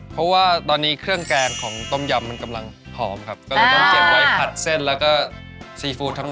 เพราะว่าตอนนี้เครื่องแกงของต้มยำมันกำลังหอมครับก็เลยต้องเก็บไว้ผัดเส้นแล้วก็ซีฟู้ดทั้ง